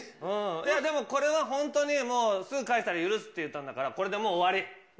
でも、これは本当に、もうすぐ返したら許すって言ったんだから、これでもう終わり。ね。